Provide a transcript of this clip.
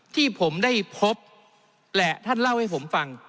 ที่ผมได้พบและท่านเล่าให้ผมฟัง